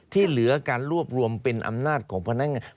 ที่เหลือการรวบรวมเป็นอำนาจของพนักงาน